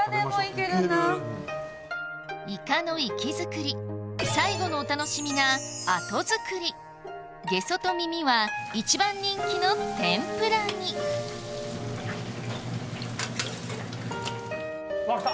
イカの活き造り最後のお楽しみが後づくりゲソとミミは一番人気の天ぷらにうわっ来た！